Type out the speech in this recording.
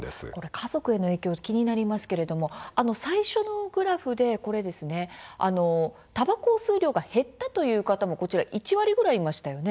家族への影響気になりますけれども最初のグラフでたばこを吸う量が減ったという方も１割ぐらいいましたね。